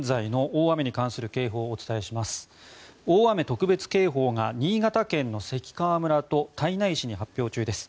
大雨特別警報が新潟県の関川村と胎内市に発表中です。